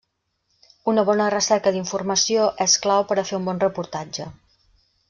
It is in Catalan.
Una bona recerca d’informació és clau per a fer un bon reportatge.